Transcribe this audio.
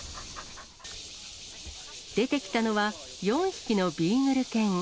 出てきたのは、４匹のビーグル犬。